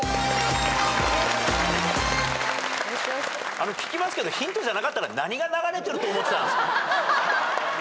あの聞きますけどヒントじゃなかったら何が流れてると思ってたんですか？